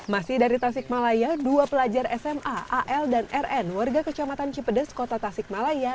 masih dari tasikmalaya dua pelajar sma al dan rn warga kecamatan cipedes kota tasikmalaya